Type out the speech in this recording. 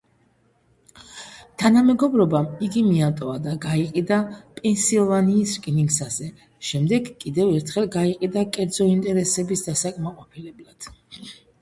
თანამეგობრობამ იგი მიატოვა და გაიყიდა პენსილვანიის რკინიგზაზე, შემდეგ კიდევ ერთხელ გაიყიდა კერძო ინტერესების დასაკმაყოფილებლად.